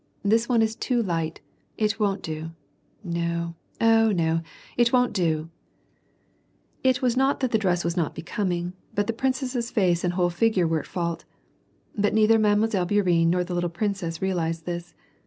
This one is too light ; it won't do ! no, oh, no ! it won't do !" It was not that the dress was not becoming, but the princess's face and whole figure were at fault ; but neither Mile. Bouri enne or the little princess realized this.